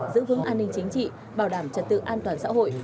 giữ vững an ninh chính trị bảo đảm trật tự an toàn xã hội